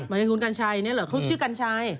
นายคุณกัญชัยเนี่ยเหรอเขาชื่อกัญชัย